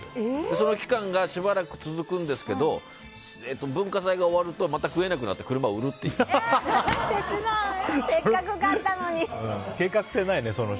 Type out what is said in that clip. その期間がしばらく続くんですけど文化祭が終わると食えなくなって計画性ないね。